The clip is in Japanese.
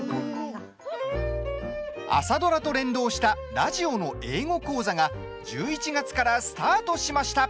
朝ドラと連動したラジオの英語講座が１１月からスタートしました。